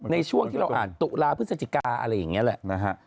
ในช่วงที่เราอ่านตุลาพฤศจิกาอะไรอย่างนี้แหละนะฮะ